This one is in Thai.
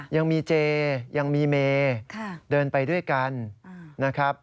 ยังมีเจ๊ยังมีเมย์เดินไปด้วยกัน